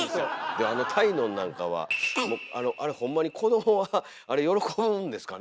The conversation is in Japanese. であの鯛のんなんかはあれホンマに子どもはあれ喜ぶんですかね？